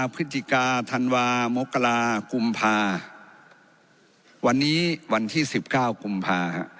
พฤศจิกาธันวามกรากุมภาวันนี้วันที่๑๙กุมภา